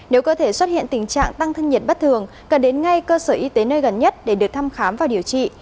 nếu cơ thể xuất hiện tình trạng tăng thân nhiệt bất thường cần đến ngay cơ sở y tế nơi gần nhất để được thăm khám và điều trị